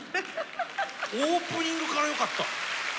オープニングからよかった。